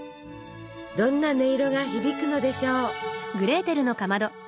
どんな音色が響くのでしょう。